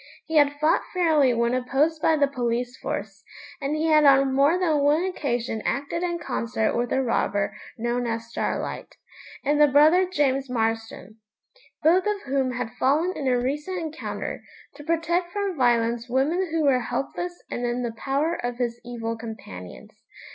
He had fought fairly when opposed by the police force, and he had on more than one occasion acted in concert with the robber known as Starlight, and the brother James Marston, both of whom had fallen in a recent encounter, to protect from violence women who were helpless and in the power of his evil companions.